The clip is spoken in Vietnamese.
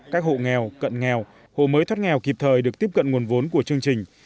các hộ nghèo cận nghèo hộ mới thoát nghèo kịp thời được tiếp cận nguồn vốn của chương trình